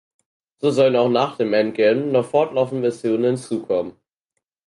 So sollen auch nach dem Endgame noch fortlaufend Missionen hinzukommen.